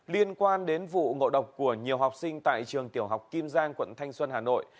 liên quan đến vụ ngộ độc của nhiều học sinh tại trường tiểu học kim giang quận thanh xuân hà nội